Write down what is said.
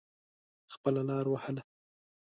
خپله لاره وهله.